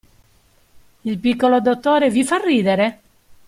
Il piccolo dottore vi fa ridere?